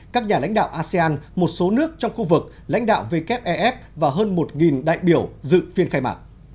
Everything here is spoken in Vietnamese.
các nhà lãnh đạo asean một số nước trong khu vực lãnh đạo vkfef và hơn một đại biểu dự phiên khai mạc